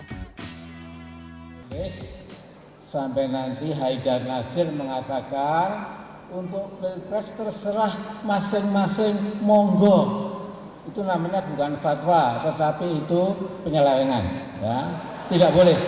sampai nanti haidar nasir mengatakan untuk pilpres terserah masing masing monggo itu namanya bukan fatwa tetapi itu penyelewengan tidak boleh